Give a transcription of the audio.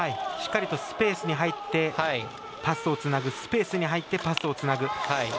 しっかりとスペースに入ってパスをつなぐスペースに入ってパスをつなぐ。